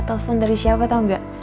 telpon dari siapa tau gak